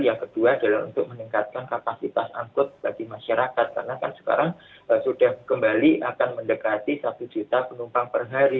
yang kedua adalah untuk meningkatkan kapasitas angkut bagi masyarakat karena kan sekarang sudah kembali akan mendekati satu juta penumpang per hari